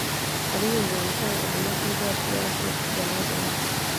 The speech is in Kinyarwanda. abinyujije mu itangazamakuru rya Pirate rya badage